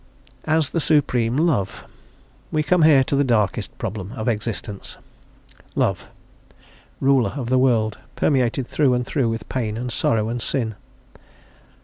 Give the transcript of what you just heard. As the Supreme Love. We come here to the darkest problem of existence. Love, Ruler of the world permeated through and through with pain, and sorrow, and sin?